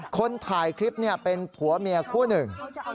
คนถ่ายคลิปเป็นผัวเมียคู่หนึ่ง